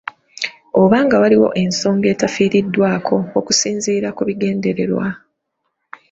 Oba nga waliwo ensonga etafiiriddwako okusinziira ku bigendererwa